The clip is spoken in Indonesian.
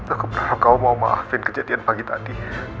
aku bener bener mau maafin kejadian pagi tadi